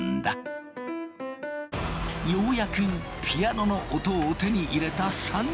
ようやくピアノの音を手に入れた３人。